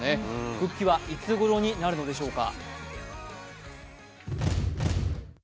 復帰はいつごろになるのでしょうか。